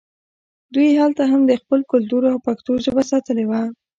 دوی هلته هم خپل کلتور او پښتو ژبه ساتلې وه